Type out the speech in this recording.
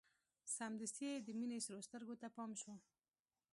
سمدستي يې د مينې سرو سترګو ته پام شو.